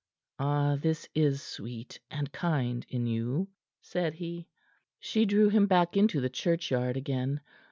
"Ah, this is sweet and kind in you," said he. She drew him back into the churchyard again.